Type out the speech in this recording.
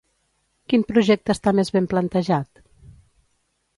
Quin projecte està més ben plantejat?